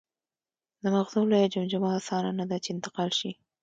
د مغزو لویه جمجمه اسانه نهده، چې انتقال شي.